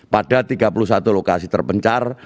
pada tiga puluh satu lokasi terpencar